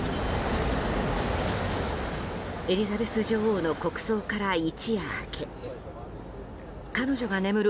エリザベス女王の国葬から一夜明け彼女が眠る